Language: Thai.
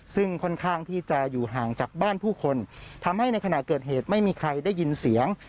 ซึ่งค่อนข้างที่จะอยู่ห่างจากบ้านผู้คนทำให้ในขณะเกิดเหตุไม่มีใครได้ยินเสียง